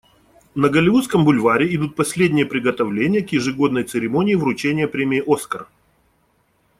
На Голливудском бульваре идут последние приготовления к ежегодной церемонии вручения премии «Оскар».